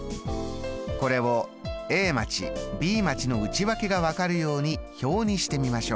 これをＡ町Ｂ町の内訳が分かるように表にしてみましょう。